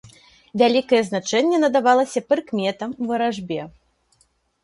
Вялікае значэнне надавалася прыкметам, варажбе.